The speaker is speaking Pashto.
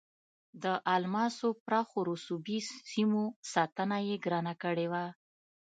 د الماسو پراخو رسوبي سیمو ساتنه یې ګرانه کړې وه.